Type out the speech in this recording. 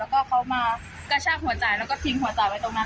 แล้วก็เขามากระชากหัวจ่ายแล้วก็ทิ้งหัวจ่ายไว้ตรงนั้น